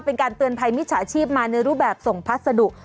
เป็นการเตือนภัยมิจฉาชีพมาในรูปแบบส่งพัสดุ